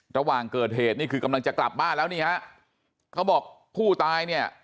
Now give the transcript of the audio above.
ระหว่างเกิดเหตุนี่คือกำลังจะกลับบ้านแล้วนี่ฮะเขาบอกผู้ตายเนี่ย